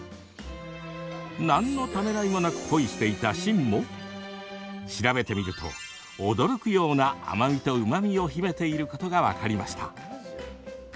何のためらいもなくポイしていた芯も、調べてみると驚くような甘みと、うまみを秘めていることが分かりました。